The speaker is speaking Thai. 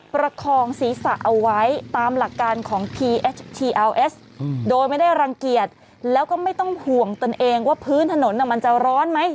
ประคองศีรษะเอาไว้ตามหลักการของทีเอชทีอัลเอสโดยไม่ได้รังเกียจแล้วก็ไม่ต้องห่วงตนเองว่าพื้นถนนมันจะร้อนไหม